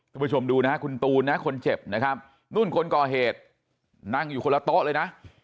ผู้ชมดูนะฮะคุณตูนนะคนเจ็บนะครับนู่นคนก่อเหตุนั่งอยู่คนละโต๊ะเลยนะ